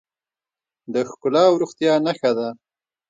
د ښکلا او روغتیا نښه ده.